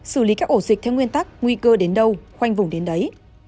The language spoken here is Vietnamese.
xử lý các ổ dịch theo nguyên tắc nguy cơ đến đâu khoanh vùng đến đấy